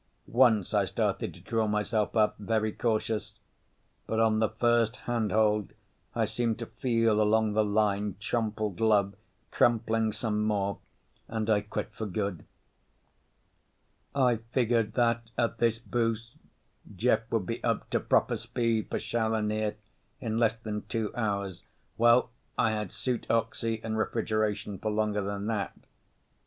Once I started to draw myself up, very cautious, but on the first handhold I seemed to feel along the line Trompled Love crumpling some more and I quit for good. I figured that at this boost Jeff would be up to proper speed for Shaula near in less than two hours. Well, I had suit oxy and refrigeration for longer than that.